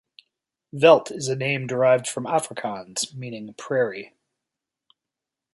Veldt is a name derived from Afrikaans, meaning "prairie".